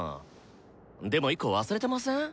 でも１個忘れてません？